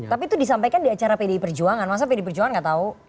tapi itu disampaikan di acara pdi perjuangan masa pdi perjuangan nggak tahu